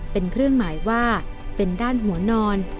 เป็นเครื่องหมายว่าเป็นด้านหัวนอน